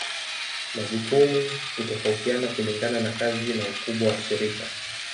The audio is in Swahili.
Majukumu hutofautiana kulingana na kazi na ukubwa wa shirika.